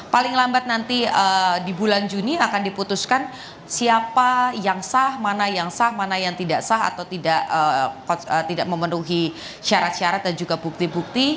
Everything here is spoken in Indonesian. paling lambat nanti di bulan juni akan diputuskan siapa yang sah mana yang sah mana yang tidak sah atau tidak memenuhi syarat syarat dan juga bukti bukti